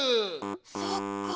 そっか。